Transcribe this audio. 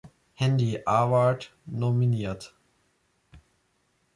Handy Award nominiert.